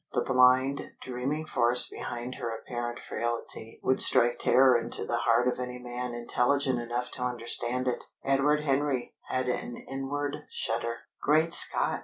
The blind dreaming force behind her apparent frailty would strike terror into the heart of any man intelligent enough to understand it. Edward Henry had an inward shudder. "Great Scott!"